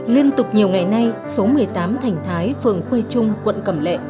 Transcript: liên tục nhiều ngày nay số một mươi tám thành thái phường khuê trung quận cẩm lệ